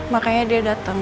makanya dia datang